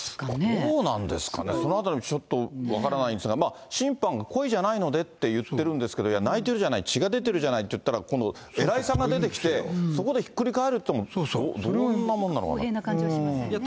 どうなんですかね、そのあたりもちょっと分からないんですが、審判、故意じゃないのでって言ってるんですけど、いや、泣いてるじゃない、血が出てるじゃないっていったら、今度、偉いさんが出てきてそこでひっくり返るというのも、どんなものな感じがしますね。